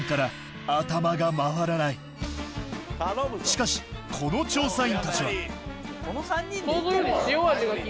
しかしこの調査員たちは想像より。